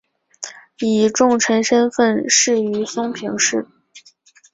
以重臣身份仕于松平氏。